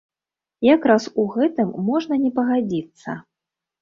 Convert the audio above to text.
Якраз у гэтым можна не пагадзіцца.